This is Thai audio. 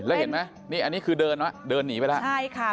แล้วเห็นไหมนี่คือเดินนะวะเดิอนีไว้แล้ว